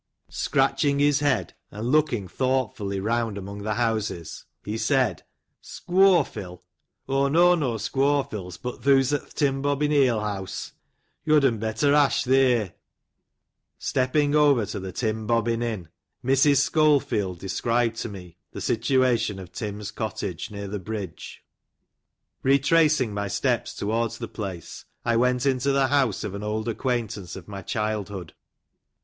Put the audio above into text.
Scratching his head, and looking thoughtfully round among the houses, he said, " Scwofil ? Aw know no Scwoflls, but thooze ut th' Tim Bobbin aleheawsc ; yodd'n bettur ash theer." Stepping over to the Tim Bobbin inn, AND THE VILLAGE OF MILNEOW. 47 Mrs. Scholefield described to me the situation of Tim's cottage, near the bridge. Retracing my steps towards the place, 1 went into the house of an old acquaintance of my childhood.